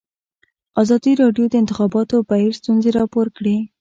ازادي راډیو د د انتخاباتو بهیر ستونزې راپور کړي.